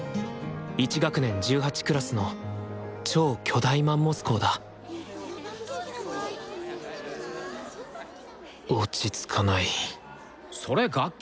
１学年１８クラスの超巨大マンモス校だ落ち着かないそれ楽器？